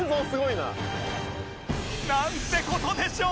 なんて事でしょう！